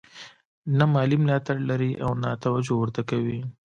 نه مالي ملاتړ لري او نه توجه ورته کوي.